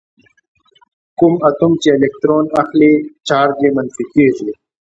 کوم اتوم چې الکترون اخلي چارج یې منفي کیږي.